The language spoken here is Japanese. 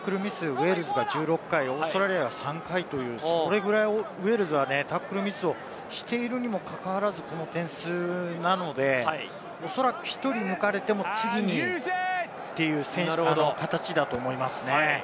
ウェールズが１６回、オーストラリアが３回、それぐらいウェールズがタックルミスをしているにもかかわらず、この点数なので、おそらく１人抜かれても、すぐにという形だと思いますね。